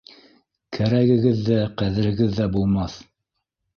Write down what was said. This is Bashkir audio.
Кәрәгегеҙ ҙә, ҡәҙерегеҙ ҙә булмаҫ.